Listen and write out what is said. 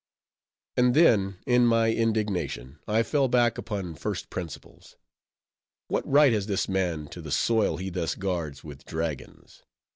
And then, in my indignation, I fell back upon first principles. What right has this man to the soil he thus guards with dragons?